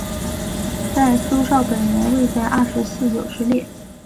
但苏绍本人未在二十四友之列。